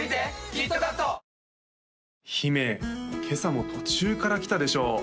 今朝も途中から来たでしょ？